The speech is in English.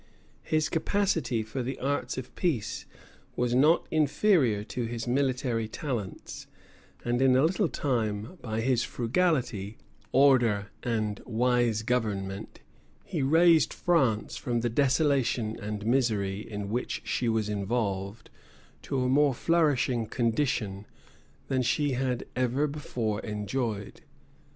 His capacity for the arts of peace was not inferior to his military talents; and in a little time, by his frugality, order, and wise government, he raised France from the desolation and misery in which she was involved, to a more flourishing condition than she had ever before enjoyed.